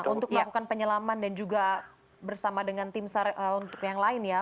untuk melakukan penyelaman dan juga bersama dengan tim sar untuk yang lain ya